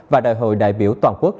và đại hội đại biểu toàn quốc